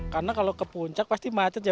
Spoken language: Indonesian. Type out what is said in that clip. karena kalau ke puncak pasti macet ya